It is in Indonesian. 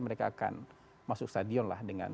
mereka akan masuk stadion